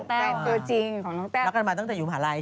แฟนตัวจริงของน้องแต้วรักกันมาตั้งแต่อยู่มหาลัย